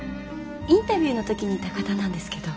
インタビューの時にいた方なんですけど。